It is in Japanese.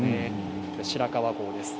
白川郷です。